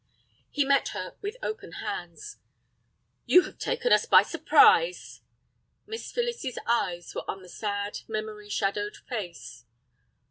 He met her with open hands. "You have taken us by surprise." Miss Phyllis's eyes were on the sad, memory shadowed face.